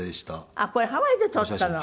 あっこれハワイで撮ったの。